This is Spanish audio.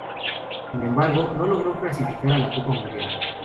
Sin embargo, no logró clasificar a la Copa Mundial.